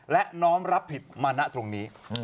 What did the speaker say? และน้อมรับผิดมานะตรงนี้